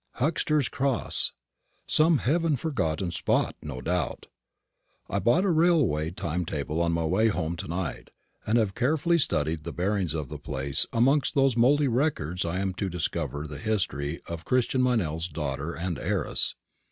Huxter's Cross some Heaven forgotten spot, no doubt. I bought a railway time table on my way home to night, and have carefully studied the bearings of the place amongst whose mouldy records I am to discover the history of Christian Meynell's daughter and heiress.